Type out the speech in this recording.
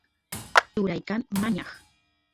turay kan mañaq